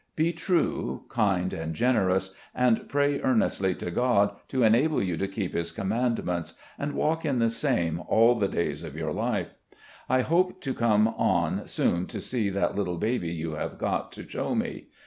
Be true, kind and generous, and pray earnestly to God to enable you to keep His Commandments 'and walk in the same all the days of your life.' I hope to come on soon to see that little baby you have got to show me.